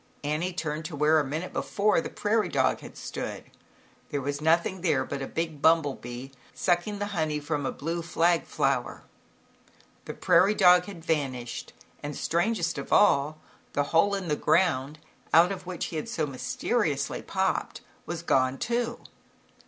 1 wvS Annie turned to where a minute before, the prairie dog had stood, there was nothing there but a big bumble bee sucking the honev from a blue fla flower. The prairie dog had vanished and, strangest of all, the hole in the ground ZAUBERLINDA, THE WISE WITCH. 1Q9 out of which he had so mysteriously popped, was gone too.